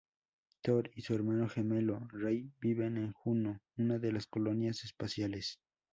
Thor y su hermano gemelo Rai viven en Juno, una de las colonias espaciales.